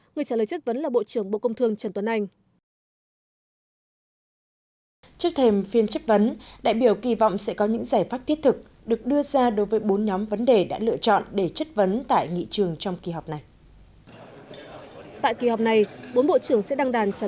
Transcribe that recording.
người trả lời chất vấn là bộ trưởng bộ công thương trần tuấn anh